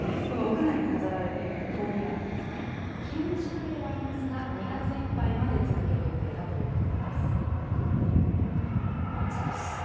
この屋外に飾られている氷アートですが、気温しだいではありますが、２月いっぱいまで続ける予定だということです。